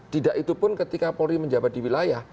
tidak itu pun ketika polri menjabat di wilayah